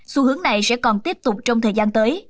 xu hướng này sẽ còn tiếp tục trong thời gian tới